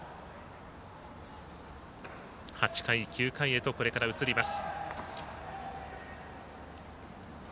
８回、９回へとこれから移ります。